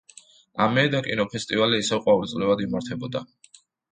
ამიერიდან კინოფესტივალი ისევ ყოველწლიურად იმართებოდა.